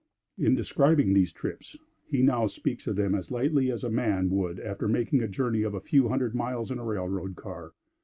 In describing these trips, he now speaks of them as lightly as a man would after making a journey of a few hundred miles in a railroad car.